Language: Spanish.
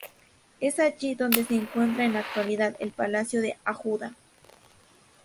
Es allí donde se encuentra en la actualidad el Palacio de Ajuda.